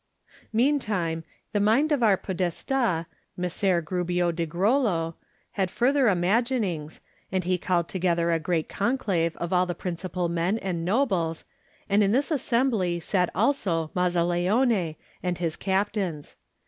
Meantime the mind of our Podestli, Mes ser Gubbio di GroUo, had further imagin ings, and he called together a great conclave of all the principal men and nobles, and in this assembly sat also Mazzaleone and his captains.